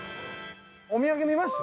お土産見ます？